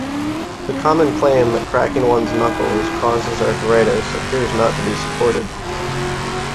The common claim that cracking one's knuckles causes arthritis appears not to be supported.